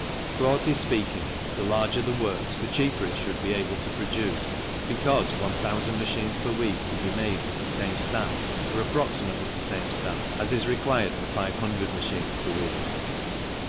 Broadly speaking, the larger the works the cheaper it should be able to produce, because 1,000 machines per week can be made with the same staff, or approximately the same staff, as is required for 500 machines per week.